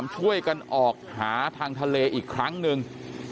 ช่วยกันออกหาทางทะเลอีกครั้งหนึ่ง